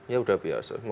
ya udah biasa